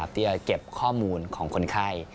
ที่จะเก็บข้อมูลของคนไข้